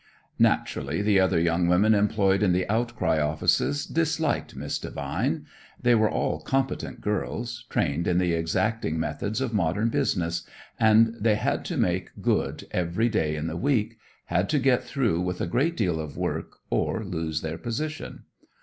Naturally the other young women employed in "The Outcry" offices disliked Miss Devine. They were all competent girls, trained in the exacting methods of modern business, and they had to make good every day in the week, had to get through with a great deal of work or lose their position.